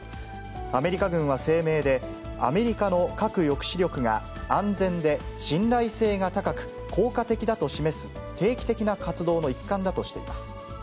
アメリカ軍は声明で、アメリカの核抑止力が、安全で、信頼性が高く、効果的だと示す、定期的な活動の一環だとしています。